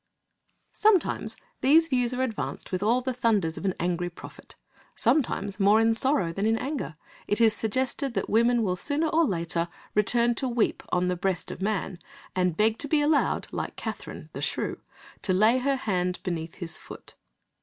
Sometimes these views are advanced with all the thunders of an angry prophet; sometimes, more in sorrow than in anger, it is suggested that woman will sooner or later return to weep on the breast of man, and beg to be allowed, like Katharine, the Shrew, to lay her hand beneath his foot.